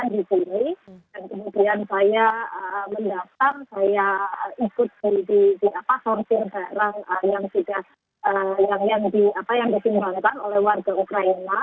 dan kemudian saya mendaftar saya ikut di di apa sortir barang yang juga yang disimulkan oleh warga ukraina